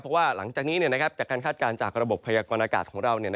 เพราะว่าหลังจากนี้จากการคาดการณ์จากระบบพยากรณากาศของเรา